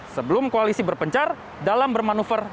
sebelum koalisi berpencar dalam bermanuver